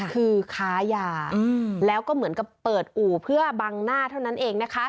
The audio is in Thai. คือค้ายาแล้วก็เหมือนกับเปิดอู่เพื่อบังหน้าเท่านั้นเองนะคะ